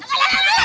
elah elah elah elah